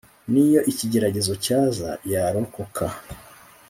n'iyo ikigeragezo cyaza yarokoka